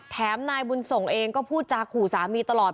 นายบุญส่งเองก็พูดจาขู่สามีตลอด